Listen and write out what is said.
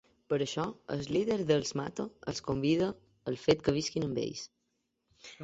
Per això, el líder dels Mata els convida al fet que visquin amb ells.